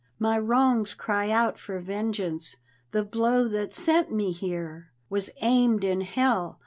" My wrongs cry out for vengeance. The blow that sent me here Was aimed in Hell.